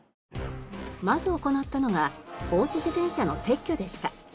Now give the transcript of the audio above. まず行ったのが放置自転車の撤去でした。